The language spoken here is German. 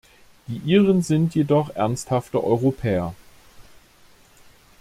Die Iren sind jedoch ernsthafte Europäer.